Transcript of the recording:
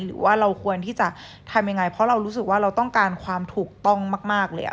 หรือว่าเราควรที่จะทำยังไงเพราะเรารู้สึกว่าเราต้องการความถูกต้องมากเลย